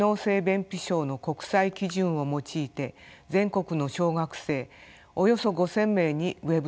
便秘症の国際基準を用いて全国の小学生およそ５，０００名にＷｅｂ調査を行いました。